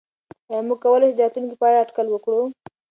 آیا موږ کولای شو د راتلونکي په اړه اټکل وکړو؟